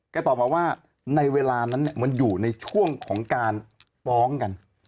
ตอบมาว่าในเวลานั้นมันอยู่ในช่วงของการฟ้องกัน